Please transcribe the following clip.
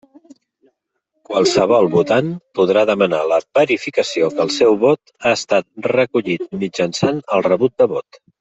Qualsevol votant podrà demanar la verificació que el seu vot ha estat recollit mitjançant el rebut de vot.